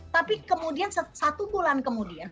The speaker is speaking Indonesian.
tapi kemudian satu bulan kemudian